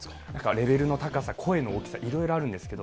レベルの高さ、声の大きさ、いろいろあるんですけど。